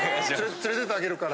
連れてってあげるから。